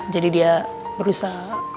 jadi dia berusaha